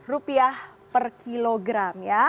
rupiah per kilogram ya